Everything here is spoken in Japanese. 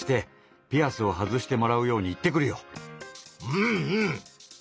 うんうん！